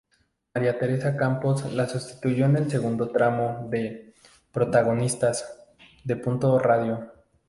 María Teresa Campos la sustituyó en el segundo tramo de "Protagonistas" de Punto Radio.